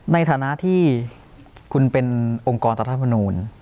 ในฐานะที่คุณเป็นองค์กรรัฐมนูล